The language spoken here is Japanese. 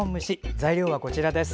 材料はこちらです。